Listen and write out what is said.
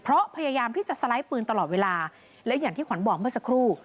เพราะพยายามที่จะสไลด์ปืนตลอดเวลาและอย่างที่ขวัญบอกเมื่อสักครู่